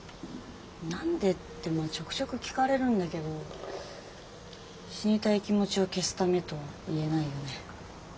何でってまあちょくちょく聞かれるんだけど死にたい気持ちを消すためとは言えないよね。